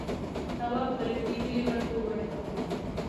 تواب په رېږديدلي غږ وويل: